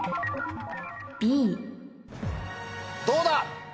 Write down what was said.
どうだ？